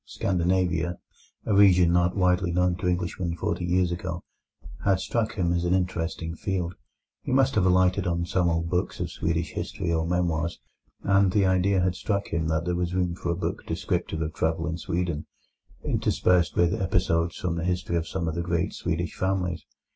Scandinavia, a region not widely known to Englishmen forty years ago, had struck him as an interesting field. He must have alighted on some old books of Swedish history or memoirs, and the idea had struck him that there was room for a book descriptive of travel in Sweden, interspersed with episodes from the history of some of the great Swedish families.